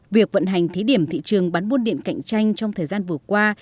việc vận hành thí điểm thị trường bán buôn điện cạnh tranh trong thời gian vừa qua